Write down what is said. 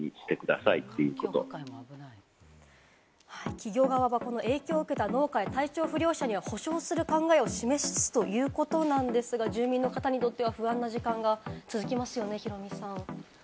企業側はこの影響を受けた農家や体調不良者には補償する考えを示すということなんですが、住民の方にとっては不安な時間が続きますよね、ヒロミさん。